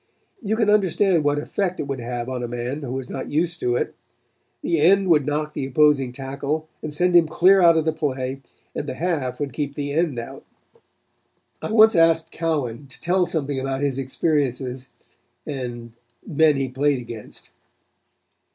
You can understand what effect it would have on a man who was not used to it. The end would knock the opposing tackle and send him clear out of the play and the half would keep the end out." I once asked Cowan to tell something about his experiences and men he played against.